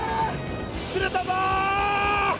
釣れたぞ！